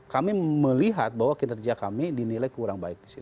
kami melihat bahwa kinerja kami dinilai kurang baik